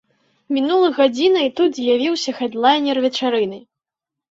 Мінула гадзіна і тут з'явіўся хэдлайнер вечарыны!